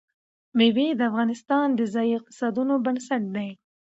مېوې د افغانستان د ځایي اقتصادونو بنسټ دی.